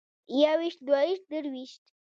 يوويشت دوويشت درويشت